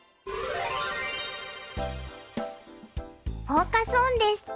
フォーカス・オンです。